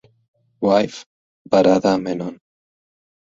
Wife: Varada Menon.